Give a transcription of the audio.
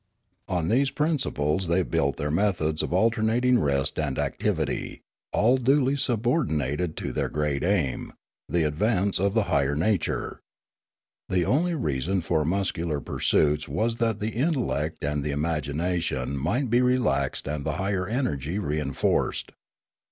On these principles they built their methods of alter nating rest and activity, all duly subordinated to their great aim,— the advance of the higher nature. The only reason for muscular pursuits was that the intellect and the imagination might be relaxed and the higher energy reinforced.